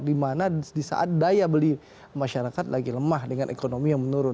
dimana di saat daya beli masyarakat lagi lemah dengan ekonomi yang menurun